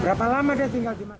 berapa lama dia tinggal di mana